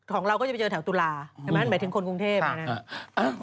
ของเราก็จะไปเจอแถวตุลาหมายถึงคลนกรุงเทพ